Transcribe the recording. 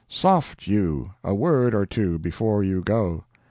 "Soft you; a word or two before you go.